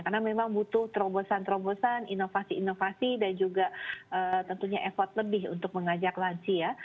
karena memang butuh terobosan terobosan inovasi inovasi dan juga tentunya effort lebih untuk mengajak lansia